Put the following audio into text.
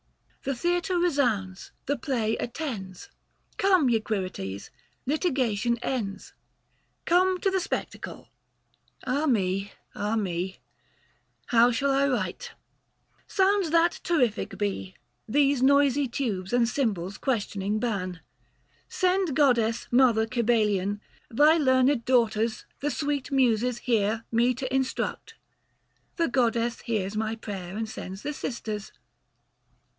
205 The theatre resounds, the play attends. Come ye Quirites, litigation ends, Come to the spectacle ; ah me, ah me, How shall I write ? Sounds that terrific be, These noisy tubes and cymbals questioning ban. 210 —" Send, goddess, mother Cybele'ian, Thy learned daughters, the sweet muses, here Me to instruct." The goddess hears my prayer, And sends the sisters.